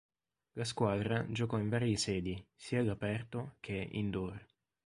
La squadra giocò in varie sedi, sia all'aperto che "indoor".